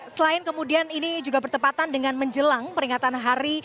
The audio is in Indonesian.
selain kemudian ini juga bertepatan dengan menjelang peringatan hari